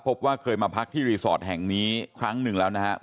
พบว่าเคยมาพักที่รีสอร์ทแห่งนี้ครั้งหนึ่งแล้วนะครับ